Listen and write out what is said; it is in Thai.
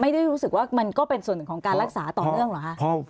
ไม่ได้รู้สึกว่ามันก็เป็นส่วนของการรักษาต่อเนื่องเหรอฮะ